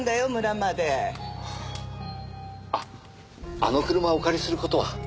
あの車をお借りする事は？